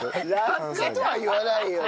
落下とは言わないよね。